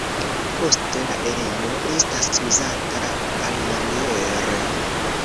Poste la ejo estas uzata alimaniere.